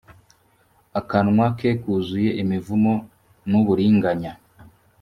akanwa ke kuzuye imivumo n’uburinganya